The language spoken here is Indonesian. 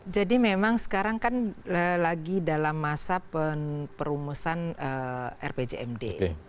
memang sekarang kan lagi dalam masa perumusan rpjmd